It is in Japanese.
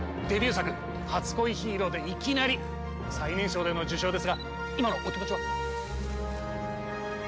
デビュー作『初恋ヒーロー』でいきなり最年少での受賞ですが今のお気持ちは？